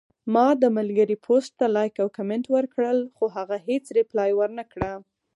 ما د ملګري پوسټ ته لایک او کمنټ ورکړل، خو هغه هیڅ ریپلی ونکړه